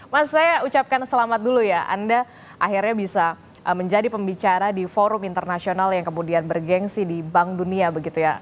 mas saya ucapkan selamat dulu ya anda akhirnya bisa menjadi pembicara di forum internasional yang kemudian bergensi di bank dunia begitu ya